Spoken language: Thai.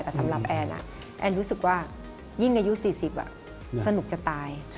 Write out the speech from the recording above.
แต่สำหรับแอนแอนรู้สึกว่ายิ่งอายุ๔๐สนุกจะตาย